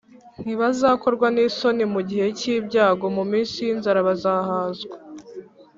. “Ntibazakorwa n’isoni mu gihe cy’ibyago. Mu minsi y’inzara bazahazwa.